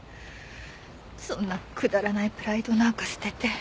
そんなくだらないプライドなんか捨てて。